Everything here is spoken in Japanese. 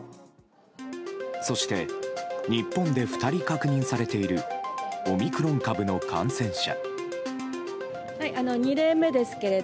そして日本で２人確認されているオミクロン株の感染者。